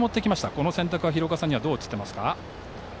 この選択は廣岡さんにはどう映っていますか？